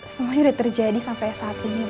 semuanya udah terjadi sampai saat ini ma